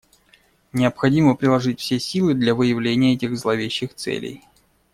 Необходимо приложить все силы для выявления этих зловещих целей.